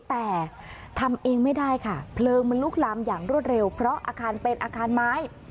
แต่ทำเองไม่ได้ค่ะเพลิงมันลุกลามอย่างรวดเร็วเพราะอาคารเป็นอาคารไม้